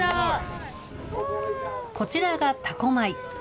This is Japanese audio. こちらが多古米。